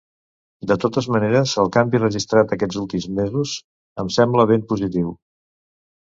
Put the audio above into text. De totes maneres, el canvi registrat aquests últims mesos em sembla ben positiu.